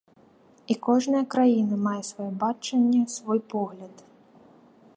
І кожная краіна мае сваё бачанне, свой погляд.